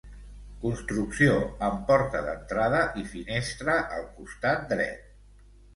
Construcció amb porta d'entrada i finestra al costat dret.